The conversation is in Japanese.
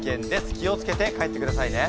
気を付けて帰ってくださいね。